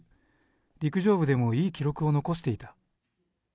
陸上部でもいい記録を残していた。